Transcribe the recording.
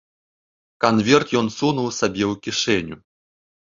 Канверт ён сунуў сабе ў кішэню.